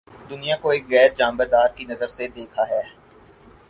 دنیا کو ایک غیر جانبدار کی نظر سے دیکھا ہے